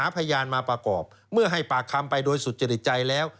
พยานมาประกอบเมื่อให้ปากคำไปโดยสุจริตใจแล้ว